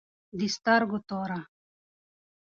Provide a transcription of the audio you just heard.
د سترگو توره